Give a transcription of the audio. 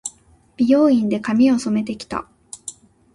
美容院で、髪を染めて来た。